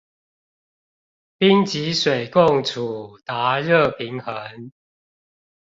冰及水共處達熱平衡